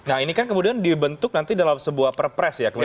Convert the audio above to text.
nah ini kan kemudian dibentuk nanti dalam sebuah perpres ya